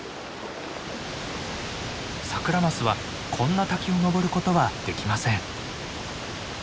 サクラマスはこんな滝を上ることはできません。